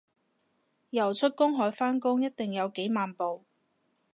游出公海返工一定有幾萬步